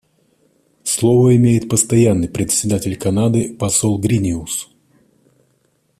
Слово имеет Постоянный представитель Канады посол Гриниус.